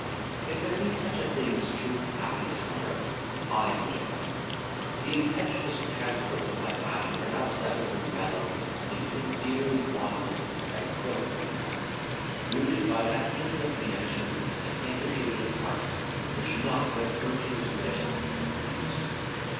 If there be such a thing as true happiness on earth, I enjoy it. The impetuous transports of my passion are now settled and mellowed into endearing fondness and tranquillity of love, rooted by that intimate connection and interchange of hearts which nought but virtuous wedlock can produce.